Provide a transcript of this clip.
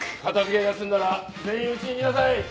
片付けが済んだら全員うちに来なさい。